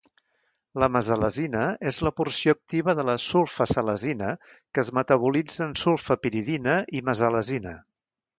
La mesalazina és la porció activa de la sulfasalazina, que es metabolitza en sulfapiridina i mesalazina.